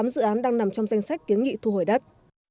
hai mươi tám dự án đang nằm trong danh sách kiến nghị thu hồi đất